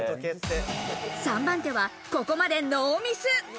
３番手は、ここまでノーミス。